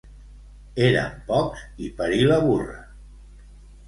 Érem pocs i parí la burra.